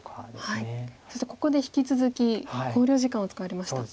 そしてここで引き続き考慮時間を使われました。